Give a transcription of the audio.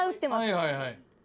はいはいはい。